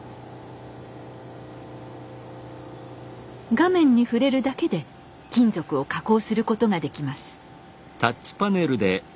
画面に触れるだけで金属を加工することができます。